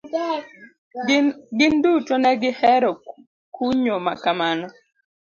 Gin duto negi hero kunyo makamano.